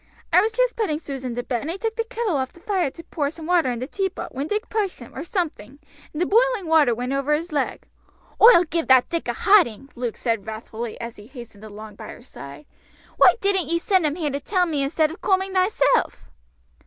I was just putting Susan to bed, and he took the kettle off the fire to pour some water in the teapot, when Dick pushed him, or something, and the boiling water went over his leg." "Oi'll give that Dick a hiding," Luke said wrathfully as he hastened along by her side. "Why didn't ye send him here to tell me instead of cooming thyself?"